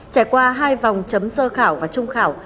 trải qua hai vòng chấm sơ khảo và trung khảo